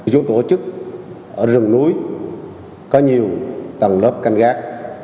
dù tổ chức ở rừng núi có nhiều tầng lớp canh gác